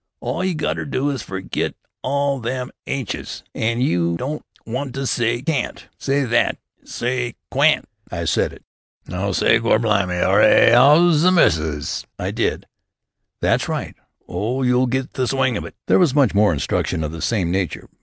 All you got to do is forget all them aitches. An' you don't want to s'y 'can't,' like that. S'y 'cawrn't.'" I said it. "Now s'y, 'Gor blimy, 'Arry, 'ow's the missus?'" I did. "That's right! Oh, you'll soon get the swing of it." There was much more instruction of the same nature.